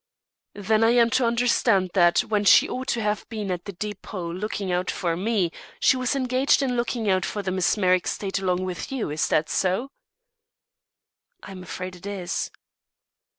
"Then I am to understand that when she ought to have been at the depôt looking out for me, she was engaged in looking out for the mesmeric state along with you; is that so?" "I'm afraid it is."